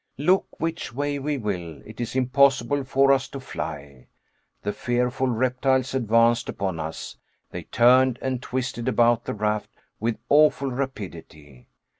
Look which way we will, it is impossible for us to fly. The fearful reptiles advanced upon us; they turned and twisted about the raft with awful rapidity.